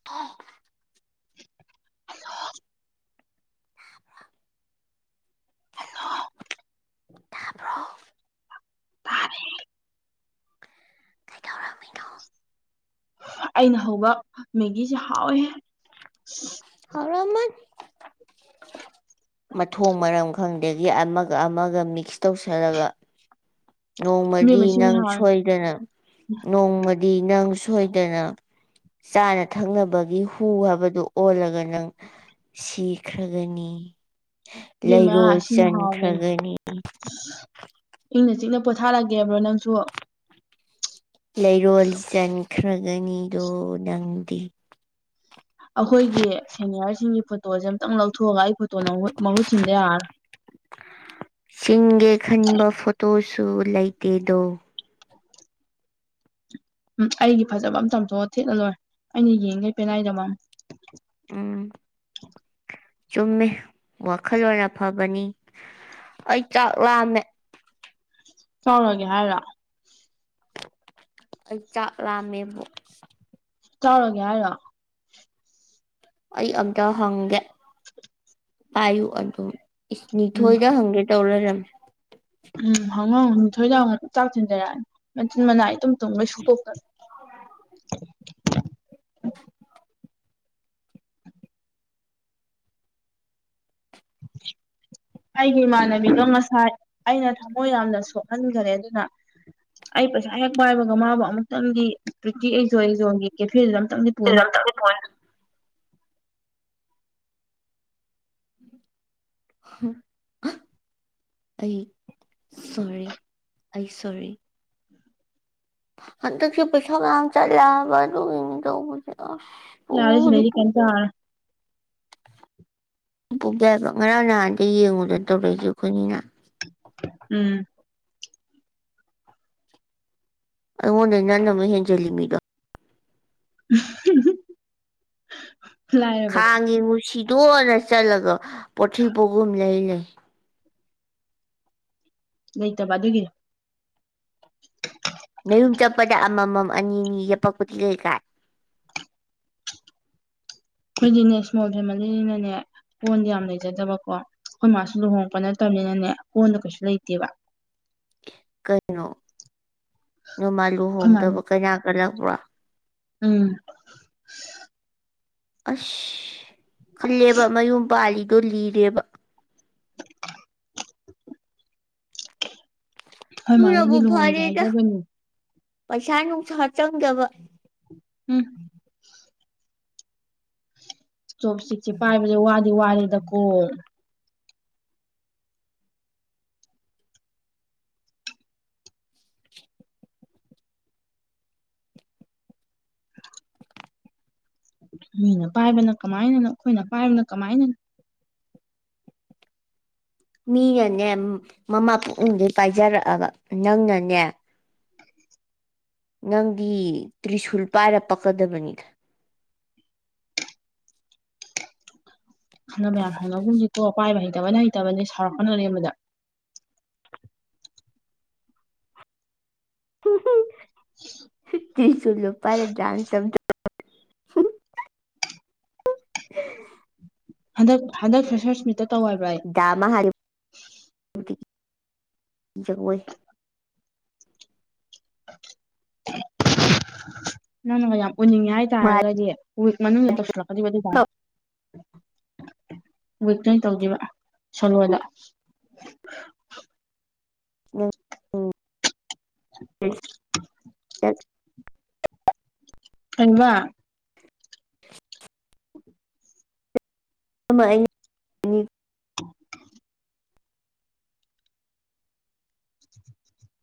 [unintelligible] hello ꯇꯥꯔꯦ ꯀꯩꯗꯧꯔꯝꯃꯤꯅꯣ ꯑꯩꯅ ꯍꯧꯕ ꯃꯦꯒꯤꯁꯦ ꯍꯥꯎꯋꯦ ꯍꯦ ꯍꯥꯎꯔꯃꯅꯤ ꯃꯊꯣꯡ ꯃꯔꯝ ꯈꯪꯗꯒꯤ ꯑꯃꯒ ꯑꯃꯒ ꯃꯤꯛꯁ ꯇꯧꯁꯜꯂꯒ ꯅꯣꯡꯃꯗꯤ ꯏꯕꯦꯝꯃ ꯁꯤꯅ ꯅꯪ ꯍꯥꯎꯋꯦ ꯁꯣꯏꯗꯅ ꯅꯣꯡꯃꯗꯤ ꯅꯪ ꯁꯣꯏꯗꯅ ꯆꯥꯅ ꯊꯛꯅꯕꯒꯤ ꯍꯨ ꯍꯥꯏꯕꯗꯨ ꯑꯣꯜꯂꯒꯅꯤ ꯅꯪ ꯁꯤꯈ꯭ꯔꯒꯅꯤ ꯏꯕꯦꯝꯃ ꯂꯩꯔꯣꯜ ꯁꯤꯅ ꯍꯥꯎꯔꯦꯅ ꯆꯟꯈ꯭ꯔꯒꯅꯤ ꯏꯪꯅ ꯆꯤꯛꯅ ꯄꯣꯊꯥꯔꯒꯦꯕ꯭ꯔꯣ ꯅꯪꯁꯨ ꯂꯩꯔꯣꯜ ꯆꯟꯈ꯭ꯔꯒꯅꯤꯗꯣ ꯅꯪꯗꯤ ꯑꯩꯈꯣꯏꯒꯤ ꯁꯦꯅꯤꯌꯔꯁꯤꯡꯒꯤ ꯐꯣꯇꯣꯁꯦ ꯑꯃꯨꯛꯇꯪ ꯂꯧꯊꯣꯛꯑꯒ ꯑꯩ ꯐꯣꯇꯣꯅ ꯃꯍꯨꯠ ꯁꯤꯟꯗ ꯌꯥꯔꯔ ꯣꯏ ꯆꯤꯟꯒꯦ ꯈꯟꯕ ꯐꯣꯇꯣꯁꯨ ꯂꯩꯇꯦꯗꯣ ꯎꯝ ꯑꯩꯒꯤ ꯐꯖꯕ ꯑꯃ ꯆꯥꯝꯊꯣꯛꯑ ꯊꯦꯠꯂ ꯂꯣꯏ ꯑꯩꯅ ꯌꯦꯡꯉꯩ ꯄꯦꯅꯥꯏꯗꯕ ꯑꯃ ꯎꯝ ꯆꯨꯝꯃꯦ ꯋꯥꯈꯜꯂ‌ꯣꯟ ꯑꯐꯕꯅꯤ ꯑꯩ ꯆꯥꯛ ꯂꯥꯝꯃꯦ ꯆꯥꯎꯔꯒꯦ ꯍꯥꯏꯔꯣ ꯑꯩ ꯆꯥꯛ ꯂꯥꯝꯃꯦꯕꯣ ꯆꯥꯎꯔꯒꯦ ꯍꯥꯏꯔꯣ ꯑꯩ ꯑꯝꯇ ꯍꯪꯒꯦ ꯄꯥꯏꯌꯨ ꯑꯗꯨꯝ ꯏꯁ ꯎꯝ ꯅꯤꯊꯣꯏꯗ ꯍꯪꯒꯦ ꯇꯧꯔꯒ ꯂꯩꯔꯝꯃꯦ ꯎꯝ ꯍꯪꯡꯉꯨ ꯍꯪꯡꯉꯨ‌‌ ꯅꯤꯡꯊꯣꯏꯗ ꯍꯪꯡꯉꯨ ꯆꯥꯛ ꯊꯤꯟꯖꯔꯛꯑꯅꯤ ꯃꯆꯤꯟ ꯃꯅꯥ ꯏꯇꯨꯝ ꯇꯨꯝꯒꯩ ꯁꯨꯛꯇꯣꯛꯇꯅ [unintelligible] [inaudible] ꯑꯩꯒꯤ ꯏꯃꯥꯟꯅꯕꯤꯗꯣ ꯉꯁꯥꯏ ꯑꯩꯅ ꯊꯃꯣꯏ ꯌꯥꯝꯅ ꯁꯣꯛꯍꯟꯒꯔꯦ ꯑꯗꯨꯅ ꯑꯩ ꯄꯩꯁꯥ ꯍꯦꯛ ꯄꯥꯏꯕꯒ ꯃꯥꯕꯨ ꯑꯃꯨꯛꯇꯪꯗꯤ ꯄ꯭ꯔꯤꯇꯤ ꯑꯦꯛꯖꯣ ꯑꯦꯛꯖꯣꯟꯒꯤ ꯀꯦꯐꯦꯗꯨꯗ ꯑꯃꯇꯪꯗꯤ ꯐꯤꯂꯝ ꯇꯠꯂꯤ ꯄꯣꯔꯦ ꯑꯩ ꯁꯣꯔꯤ ꯑꯩ ꯁꯣꯔꯤ ꯍꯟꯇꯛꯁꯦ ꯄꯩꯁꯥ ꯃꯌꯥꯝ ꯆꯠꯂꯦ ꯍꯥꯢꯕ ꯑꯗꯨꯒꯤꯅꯤ ꯇꯧꯕꯁꯤ ꯑꯥꯁ ꯌꯥꯔꯦ ꯄꯨꯕꯕꯨꯗꯤ ꯁꯤꯗꯩꯗꯤ ꯀꯩꯝ ꯄꯨꯒꯦ ꯆꯥꯔꯔꯣꯏ ꯄꯣꯛ ꯌꯥꯏꯕ ꯉꯔꯥꯡ ꯅꯍꯥꯟꯗ ꯌꯦꯡꯉꯨꯗꯟ ꯇꯧꯔꯛꯏꯗꯨ ꯑꯈꯣꯏꯃꯤꯅ ꯎꯝ ꯑꯩꯉꯣꯟꯗꯩ ꯅꯪꯅ ꯃꯨꯛ ꯍꯦꯟꯖꯤꯜꯂꯤꯃꯤꯗꯣ [unintelligible] ꯈꯥꯡ ꯌꯦꯡ ꯉꯨꯁꯤꯗꯣꯅ ꯆꯠꯂꯒ ꯄꯣꯊꯤ ꯄꯣꯒꯨꯝ ꯂꯩ ꯂꯩ ꯂꯩꯇꯕ ꯑꯗꯨꯒꯤꯅꯤ ꯅꯌꯨꯝ ꯆꯞꯄꯗ ꯑꯃꯝ ꯃꯝ ꯑꯅꯤ ꯅꯤ ꯌꯦꯛꯄꯛꯄꯗꯤ ꯀꯩ ꯀꯥꯏ ꯈꯣꯏꯗꯤꯅꯦ ꯏꯁꯃꯣꯜ ꯐꯦꯃꯂꯤꯅꯤꯅꯅꯦ ꯀꯣꯟꯗꯤ ꯌꯥꯝ ꯂꯩꯖꯗꯕꯀꯣ ꯈꯣꯏ ꯃꯥꯁꯨ ꯂꯨꯍꯣꯡꯉꯛꯄ ꯅꯠꯇꯝꯅꯤꯅꯅꯦ ꯀꯣꯟꯗꯨ ꯀꯩꯁꯨ ꯂꯩꯇꯦꯕ ꯀꯩꯒꯤꯅꯣ ꯅꯣꯢꯃꯥ ꯑꯩꯈꯣꯏ ꯃꯥꯅ ꯂꯨꯍꯣꯡꯗꯕ ꯀꯩꯅꯥ ꯀꯜꯂꯛꯄ꯭ꯔꯣ ꯎꯝ ꯑꯁ ꯈꯜꯂꯦꯕ ꯃꯌꯨꯝ ꯄꯥꯜꯂꯤꯗꯣ ꯂꯤꯔꯦꯕ ꯈꯣꯏ ꯃꯥꯅꯗꯤ ꯑꯗꯨꯅꯕꯨ ꯂꯨꯍꯣꯡꯖꯦ ꯐꯔꯦꯗ ꯍꯥꯏꯖꯕꯅꯤ ꯄꯩꯁꯥ ꯅꯨꯡꯁꯥ ꯆꯪꯗꯕ ꯍꯝ ꯆꯣꯞꯁꯤꯛꯆꯦ ꯄꯥꯏꯕꯖꯦ ꯋꯥꯗꯤ ꯋꯥꯔꯦꯗꯀꯣ ꯃꯤꯅ ꯄꯥꯏꯕꯅ ꯀꯃꯥꯏꯅꯅꯣ ꯑꯈꯣꯏꯅ ꯄꯥꯏꯕꯅ ꯀꯃꯥꯏꯅ ꯃꯤꯅꯅꯦ ꯃꯃꯥ ꯄꯨꯛꯅꯨꯡꯗꯩ ꯄꯥꯏꯖꯔꯛꯑꯕ ꯅꯪꯅꯅꯦ ꯅꯪꯗꯤ ꯇ꯭ꯔꯤꯁꯨꯨꯜ ꯄꯥꯏꯔ ꯄꯛꯀꯗꯕꯅꯤꯗ ꯈꯟꯅꯕ ꯌꯥꯝ ꯍꯧꯅꯒꯨꯝꯖꯤꯀꯣ ꯄꯥꯏꯕ ꯍꯩꯇꯕꯅ ꯍꯩꯇꯕꯅꯦ ꯁꯥꯎꯔꯛꯀꯅꯣ ꯑꯔꯦꯝꯕꯗ ꯇ꯭ꯔꯤꯁꯨꯜ ꯂꯣ ꯄꯥꯢꯔ ꯗꯥꯟꯁ ꯑꯝꯇ [inaudible] ꯍꯟꯗꯛ ꯍꯟꯗꯛ ꯐꯔꯦꯁꯔꯁ ꯃꯤꯠꯇ ꯇꯧ ꯍꯥꯏꯕ꯭ꯔ ꯑꯩ ꯗꯥ ꯃꯥꯍꯥꯗꯦꯕ ꯒꯤ ꯖꯒꯣꯏ ꯅꯪꯅꯒ ꯌꯥꯝ ꯎꯅꯤꯡꯉꯦ ꯍꯥꯏꯇꯥꯔꯒꯗꯤ ꯋꯤꯛ ꯃꯅꯨꯡꯗ ꯇꯧꯁꯤꯜꯂꯛꯀꯗꯣꯢꯕ ꯑꯗꯨꯢ ꯗꯥꯟꯁ ꯋꯤꯛꯇ ꯑꯣꯢꯟ ꯇꯧꯗꯨꯢꯕ ꯁꯣꯂꯣꯗ ꯎꯝ [unintelligible] ꯀꯟꯕꯥ ꯑꯃ ꯑꯩꯅꯤ [inaudible] [inaudible]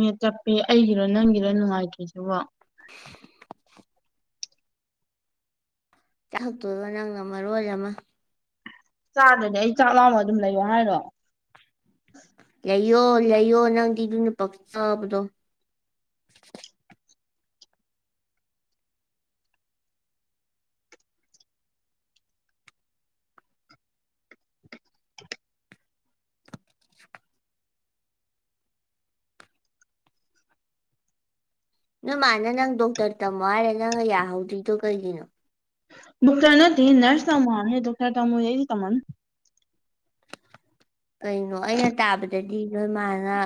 ꯅꯦꯠ ꯆꯠꯄꯦ ꯑꯩꯒꯤꯔꯣ ꯅꯪꯒꯤꯔꯣ ꯅꯨꯡꯉꯥꯏꯇ꯭ꯔꯤꯖꯤꯕꯣ [inaudible] ꯆꯥꯛꯇꯨꯗꯣ ꯅꯪꯅ ꯃꯔꯣꯜ ꯑꯃ ꯆꯥꯗ꯭ꯔꯗꯤ ꯑꯩ ꯆꯥꯛ ꯂꯥꯝꯃ ꯑꯗꯨꯝ ꯂꯩꯌꯣ ꯍꯥꯏꯔꯣ ꯂꯩꯌꯣ ꯂꯩꯌꯣ ꯅꯪꯗꯤ ꯗꯨꯅ ꯄꯛꯆꯕꯗꯣ ꯅꯣꯏ ꯃꯥꯅ ꯅꯪ ꯗꯣꯛꯇꯔ ꯇꯝꯃꯣ ꯍꯥꯏꯔ ꯅꯪꯅ ꯌꯥꯍꯧꯗ꯭ꯔꯤꯗꯣ ꯀꯩꯒꯤꯅꯣ ꯗꯣꯛꯇꯔ ꯅꯠꯇꯦꯍꯦ ꯅꯔꯁ ꯇꯥꯃꯣ ꯍꯥꯝꯅꯤ ꯗꯣꯛꯇꯔ ꯇꯝꯃꯣꯗꯤ ꯑꯩꯗꯤ ꯇꯝꯃꯝ ꯀꯩꯅꯣ ꯑꯩꯅ ꯇꯥꯕꯗꯗꯤ ꯅꯣꯏ ꯃꯥꯅ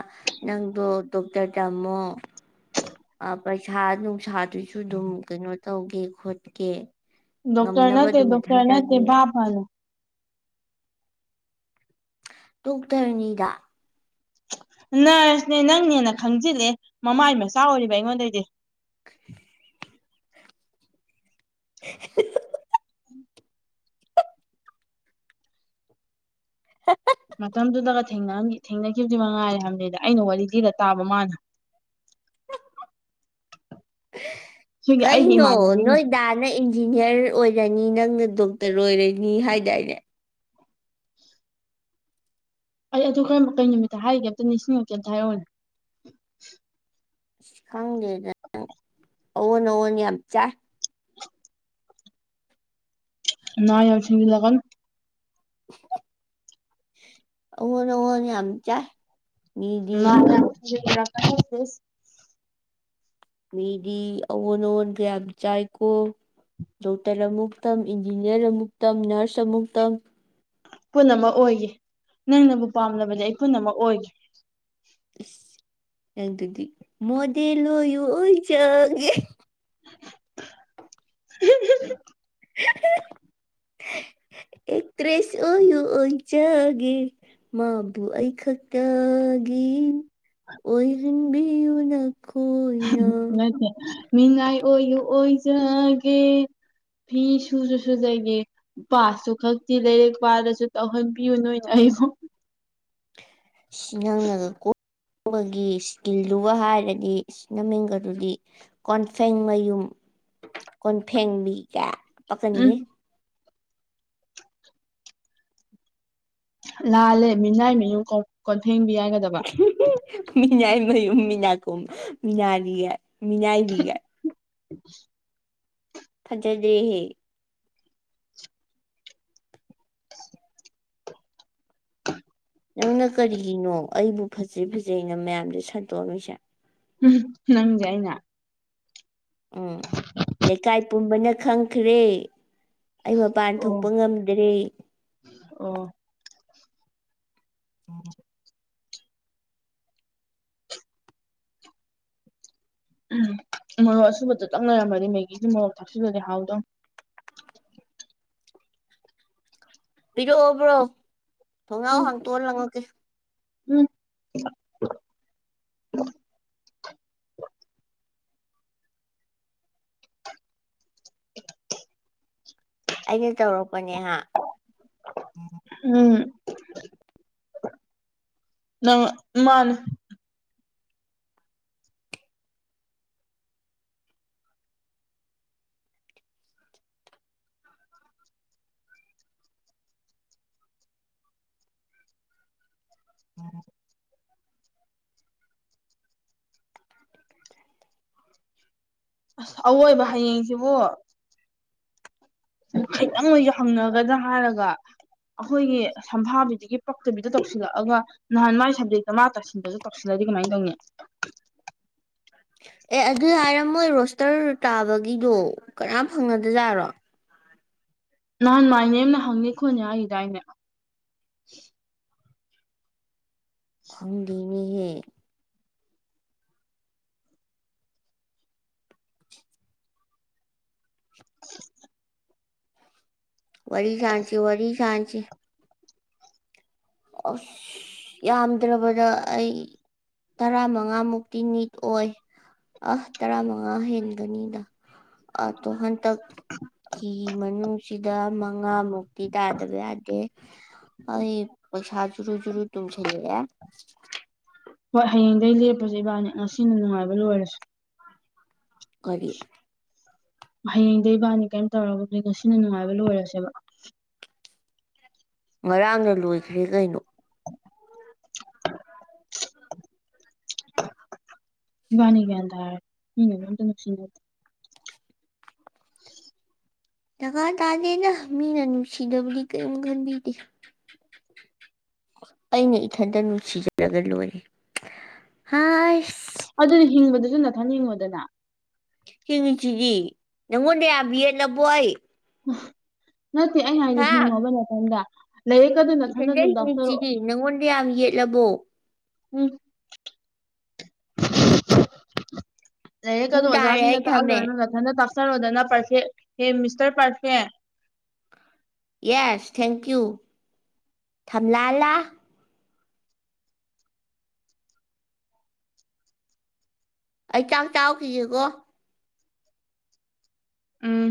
ꯅꯪꯗꯣ ꯗꯣꯛꯇꯔ ꯇꯝꯃꯣ ꯑ ꯄꯩꯁꯥ ꯅꯨꯡꯁꯥꯗꯨꯁꯨ ꯑꯗꯨꯝ ꯀꯩꯅꯣ ꯇꯧꯒꯦ ꯈꯣꯠꯀꯦ ꯗꯣꯛꯇꯔ ꯉꯝꯅꯕ ꯅꯠꯇꯦ ꯑꯗꯨꯝ ꯗꯣꯛꯇꯔ ꯅꯠꯇꯦ ꯊꯥꯖꯒꯦ ꯕꯥꯞ ꯐꯅꯨ ꯗꯣꯛꯇꯔꯅꯤꯗ ꯅ꯭ꯔꯁꯅꯦ ꯅꯪꯅ ꯍꯦꯟꯅ ꯈꯪꯖꯤꯜꯂꯦ ꯃꯃꯥꯏ ꯃꯆꯥ ꯑꯣꯏꯔꯤꯕ ꯑꯩꯉꯣꯟꯗꯩꯗꯤ [inaudible] [inaudible] ꯎꯝ ꯃꯇꯝꯗꯨꯗꯒ ꯊꯦꯡꯅ ꯊꯦꯡꯅꯈꯤꯕꯗꯤ ꯃꯉꯥꯏꯔꯦ ꯍꯥꯏꯕꯅꯤꯗ ꯑꯩꯅ ꯋꯥꯔꯤ ꯂꯤꯗ ꯇꯥꯕ ꯃꯥꯅ ꯁꯤꯒꯤ ꯀꯩ ꯑꯩꯒꯤ ꯅꯣ ꯏꯃꯥꯟꯅꯕꯤꯒꯤ ꯅꯣꯏ ꯗꯥꯅ ꯏꯟꯖꯤꯅꯤꯌꯥꯔ ꯑꯣꯏꯔꯅꯤ ꯅꯪꯅ ꯗꯣꯛꯇꯔ ꯑꯣꯏꯔꯅꯤ ꯍꯥꯏꯗꯥꯏꯅꯦ ꯑꯩ ꯑꯗꯨ ꯈꯔ ꯃꯈ ꯀꯩ ꯅꯨꯃꯤꯠꯇ ꯍꯥꯏꯒꯦ ꯑꯝꯇ ꯅꯤꯡꯁꯤꯡ ꯑꯣꯁꯦ ꯑꯝꯇ ꯍꯥꯏꯔꯛꯎꯅꯦ ꯑꯁ ꯈꯪꯗꯦꯗꯅ ꯅꯪ ꯑꯑꯣꯟ ꯑꯑꯣꯟꯟ ꯌꯥꯝ ꯆꯥꯏ ꯅꯥ ꯌꯥꯝ ꯁꯤꯛꯖꯤꯜꯂꯛꯀꯅꯣ ꯑꯑꯣꯟ ꯑꯑꯣꯟ ꯌꯥꯝꯆꯥꯏ ꯅꯥ ꯌꯥꯝ ꯁꯤꯛꯖꯤꯜꯂꯛꯀꯅꯣ [unintelligible] ꯃꯤꯗꯤ ꯑꯥ ꯑꯣꯟ ꯑꯣꯟꯒ ꯌꯥꯝ ꯆꯥꯏꯀꯣ ꯗꯣꯛꯇꯔ ꯑꯃꯨꯛ ꯇꯝ ꯏꯟꯖꯤꯅꯤꯌꯥꯔ ꯑꯃꯨꯛ ꯇꯝ ꯅꯔꯁ ꯑꯃꯨꯛ ꯇꯝ ꯄꯨꯟꯅꯃꯛ ꯑꯣꯏꯈꯤ ꯅꯪꯅꯕꯨ ꯄꯥꯝꯅꯕꯗꯤ ꯑꯩ ꯄꯨꯟꯅꯃꯛ ꯑꯣꯏꯒꯦ ꯑꯁ ꯅꯪꯗꯨꯗꯤ ꯃꯣꯗꯦꯜ ꯑꯣꯏꯌꯨ ꯑꯣꯏꯖꯥꯒꯦ [unintelligible] ꯑꯦꯛꯇꯔꯦꯁ ꯑꯣꯏꯌꯨ ꯑꯣꯏꯖꯒꯦ ꯃꯥꯕꯨ ꯑꯩ ꯈꯛꯇꯒꯤ ꯑꯣꯏꯍꯟꯕꯤꯌꯨꯅ ꯅꯠꯇꯦ ꯃꯤꯅꯥꯏ ꯑꯣꯏꯌꯨ ꯑꯣꯏꯖꯒꯦ ꯐꯤ ꯁꯨ ꯁꯨ ꯁꯨꯖꯒꯦ ꯄꯥꯁꯨ ꯈꯛꯇꯤ ꯂꯩꯔꯛ ꯄꯥꯗꯁꯨ ꯇꯧꯍꯟꯕꯤꯌꯨ ꯅꯣꯏꯅ ꯑꯩꯕꯨ ꯁꯤ ꯅꯪꯅꯒ ꯀꯣꯛꯕꯒꯤ ꯏꯁꯀꯤꯜꯗꯨꯒ ꯍꯥꯏꯔꯗꯤ ꯁꯤ ꯅꯃꯤꯡꯒꯗꯨꯗꯤ ꯀꯣꯟꯐꯦꯡꯃꯌꯨꯝ ꯀꯣꯟꯐꯦꯡꯕꯤꯒ ꯎꯝ ꯄꯛꯀꯅꯤꯌꯦ ꯂꯥꯜꯂꯦ ꯃꯤꯅꯥꯏ ꯃꯌꯨꯝ ꯀꯣꯟ ꯀꯣꯟꯐꯦꯡꯕꯤ ꯍꯥꯏꯒꯗꯕ ꯃꯤꯅꯥꯏꯃꯌꯨꯝ ꯃꯤꯅꯥꯀꯨꯝ ꯃꯤꯅꯥꯔꯤꯒꯥꯏ ꯃꯤꯅꯥꯏꯔꯤꯒꯥꯏ ꯎꯝ ꯐꯖꯗꯦꯍꯦ ꯑꯣꯏ ꯅꯪꯅ ꯀꯔꯤꯒꯤꯅꯣ ꯑꯩꯕꯨ ꯐꯖꯩ ꯐꯖꯩꯩꯅ ꯃꯌꯥꯝꯗ ꯁꯟꯇꯣꯛꯑꯝꯃꯤꯁꯦ ꯎ ꯅꯪꯖꯦ ꯑꯩꯅ ꯎꯝ ꯂꯩꯀꯥꯏ ꯄꯨꯝꯕꯅ ꯈꯪꯈ꯭ꯔꯦ ꯑꯩ ꯃꯄꯥꯟ ꯑꯣ ꯊꯣꯛꯄ ꯉꯝꯗ꯭ꯔꯦ ꯑꯣ ꯑ ꯎꯝ ꯃꯣꯔꯣꯛ ꯑꯁꯨꯕꯗꯣ ꯇꯪꯅꯔꯝꯃꯅꯤ ꯃꯩꯒꯤꯗꯤ ꯃꯣꯔꯣꯛ ꯊꯥꯛꯆꯜꯂꯗꯤ ꯍꯥꯎꯗꯧ ꯄꯤꯔꯛꯑꯣꯕ꯭ꯔꯣ ꯎꯝ ꯊꯣꯡꯅꯥꯥꯎ ꯍꯥꯡꯇꯣꯛꯑꯣ ꯂꯪꯉꯛꯒꯦ ꯎꯝ ꯑꯩꯅ ꯇꯧꯔꯛꯄꯅꯦꯍ ꯎꯝ ꯅꯪ ꯃꯥꯅꯤ [inaudible] ꯑꯁ ꯑꯋꯣꯏꯕ ꯍꯌꯦꯡꯁꯤꯕꯨ ꯈꯤꯇꯪ ꯑꯦꯏꯖꯨ ꯍꯪꯅꯒꯗ꯭ꯔ ꯍꯥꯏꯔꯒ ꯑꯩꯈꯣꯏꯒꯤ ꯁꯝꯐꯥꯕꯤꯗꯨꯒꯤ [unintelligible] ꯑꯦ ꯑꯗꯨ ꯍꯥꯏꯔ ꯃꯣꯏ ꯔꯣꯁꯇꯔ ꯇꯥꯕꯒꯤꯗꯣ ꯀꯅꯥꯝ ꯐꯪꯒꯗꯖꯥꯠꯔꯣ ꯅꯍꯥꯟ ꯃꯥꯏ ꯅꯦꯝꯅ ꯍꯪꯅꯤ ꯈꯣꯠꯅꯤ ꯍꯥꯏꯒꯤꯗꯥꯏꯅꯦ ꯈꯪꯗꯤꯃꯤꯍꯦ ꯋꯥꯔꯤ ꯁꯥꯥꯟꯁꯤ ꯋꯥꯔꯤ ꯁꯥꯥꯡꯁꯤ ꯑꯁ ꯌꯥꯝꯗ꯭ꯔꯕꯗ ꯑꯩ ꯇꯔꯥꯃꯉꯥꯃꯨꯛꯇꯤ ꯅꯤꯠ ꯑꯣꯏ ꯑ ꯇꯔꯥ ꯃꯉꯥ ꯍꯦꯟꯒꯅꯤꯗ ꯑꯇꯣ ꯍꯟꯇꯛ ꯀꯤ ꯃꯅꯨꯡꯁꯤꯗ ꯃꯉꯥꯃꯨꯛ ꯇꯤ ꯇꯥꯗꯕ ꯌꯥꯗꯦ ꯑꯩ ꯄꯩꯁꯥ ꯖꯨꯔꯨ ꯖꯨꯔꯨ ꯇꯨꯝꯁꯤꯜꯂꯛꯑꯦ ꯍꯣꯏ ꯍꯌꯦꯡꯗꯒꯤ ꯂꯦꯞꯄꯁꯦ ꯏꯕꯥꯅꯤ ꯉꯁꯤꯅ ꯅꯨꯡꯉꯥꯏꯕ ꯂꯣꯏꯔꯁꯨ ꯀꯔꯤ ꯍꯌꯦꯡꯗꯒꯤ ꯏꯕꯥꯅꯤ ꯀꯩꯝ ꯇꯧꯔꯒꯨꯝꯁ‌ꯦ ꯉꯥ ꯁꯤꯅ ꯅꯨꯡꯉꯥꯏꯕ ꯂꯣꯏꯔꯁꯦꯕ ꯉꯔꯥꯡꯅ ꯂꯣꯏꯈ꯭ꯔꯦ ꯀꯩꯅꯣ [unintelligible] ꯗ‌ꯀ꯭ꯔ ꯇꯥꯗꯦꯗ ꯃꯤꯅ ꯅꯨꯡꯁꯤ ꯗꯕꯗꯤ ꯀꯩꯝ ꯈꯟꯕꯤꯗꯤ ꯑꯩꯅ ꯏꯊꯟꯇ ꯅꯨꯡꯁꯤꯖꯔꯒ ꯂꯣꯏꯔꯦ [unintelligible] ꯑꯗꯨꯗꯤ ꯍꯤꯡꯕꯗꯨꯁꯨ ꯅꯊꯟꯍꯤꯡꯉꯨꯗꯅ ꯍꯤꯡꯉꯤꯁꯤꯗꯤ ꯅꯪꯉꯣꯟꯗ ꯌꯥꯝꯌ‌ꯦꯠꯂꯕ‌ꯦꯑꯩ ꯅꯠꯇꯦ ꯑꯩꯅ ꯍꯥꯏꯗꯤ ꯍꯤꯡꯉꯨꯕ ꯅꯊꯟꯗ ꯂꯩꯔꯛꯀ ꯑꯗꯨꯝ ꯅꯊꯟꯗ ꯏꯊꯟꯗ ꯑꯗꯨꯝ ꯇꯥꯛꯆꯔꯛꯑꯣ ꯍꯤꯡꯉꯤꯁꯤꯗꯤ ꯅꯪꯉꯣꯟꯗ ꯌꯥꯝ ꯌꯦꯠꯂꯕꯣ ꯎꯝ ꯂꯥꯏꯔꯤꯛ ꯀ ꯑꯗꯣ ꯄꯨꯡ ꯇꯥꯔꯦ ꯑꯩ ꯑꯣꯖꯥꯁꯤꯡꯅ ꯊꯝꯃꯦ ꯇꯥꯛꯍꯜꯂꯨꯔꯅꯨ ꯅꯥꯊꯟꯅ ꯇꯥꯛꯆꯔꯣꯗꯅ ꯄꯥꯔꯐꯦꯛ ꯍꯦ ꯃꯤꯁꯇꯔ ꯄꯥꯔꯐꯦꯛ ꯌꯦꯁ ꯊꯦꯡꯀ꯭ꯌꯨ ꯊꯝꯂꯂꯥ ꯑꯩ ꯆꯥꯛ ꯆꯥꯎꯈꯤꯒ‌ꯦꯀ‌ꯣ ꯎꯝ